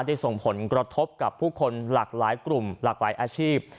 ส่งผลกระทบกับผู้คนหลากหลายกลุ่มหลากหลายอาชีพ